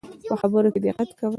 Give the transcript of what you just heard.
په خبرو کي دقت کوه